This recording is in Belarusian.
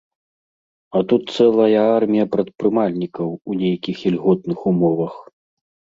А тут цэлая армія прадпрымальнікаў у нейкіх ільготных умовах.